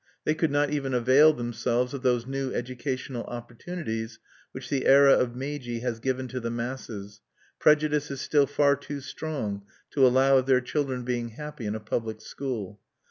They could not even avail themselves of those new educational opportunities which the era of Meiji has given to the masses; prejudice is still far too strong to allow of their children being happy in a public school.